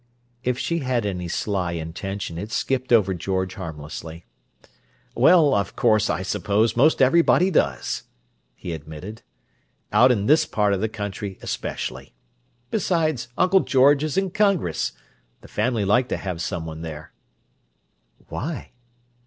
If she had any sly intention, it skipped over George harmlessly. "Well, of course, I suppose most everybody does," he admitted—"out in this part of the country especially. Besides, Uncle George is in Congress; the family like to have someone there." "Why?"